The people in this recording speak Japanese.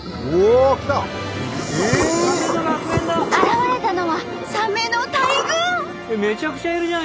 現れたのはサメの大群！